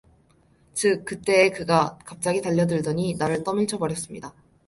즉, 그 때에 그가 갑자기 달려들더니 나를 떠 밀쳐 버렸습니다.